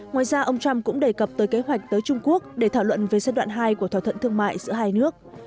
ngoài ra ông trump cũng đề cập tới kế hoạch tới trung quốc để thảo luận về giai đoạn hai của thỏa thuận thương mại giữa hai nước